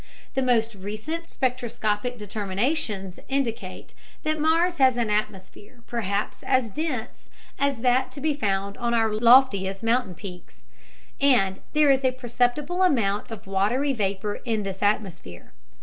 The most recent spectroscopic determinations indicate that Mars has an atmosphere perhaps as dense as that to be found on our loftiest mountain peaks, and there is a perceptible amount of watery vapor in this atmosphere.